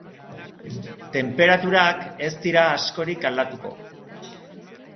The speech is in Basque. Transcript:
Tenperaturak ez dira askorik aldatuko.